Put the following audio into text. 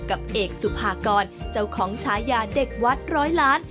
กับเอกสุภากรเจ้าของฉายาเด็กวัดร้อยล้าน